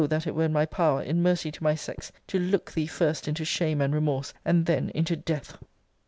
that it were in my power, in mercy to my sex, to look thee first into shame and remorse, and then into death!